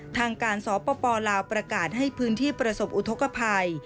ทางการสปลาวประกาศให้พื้นที่ประสบอุทธกภัย